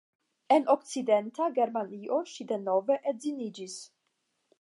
En Okcidenta Germanio ŝi denove edziniĝis.